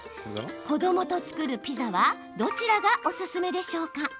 子どもと作るピザはどちらがおすすめでしょうか？